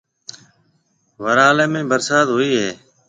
ورھاݪيَ ۾ ڀرسات ھوئيَ ھيََََ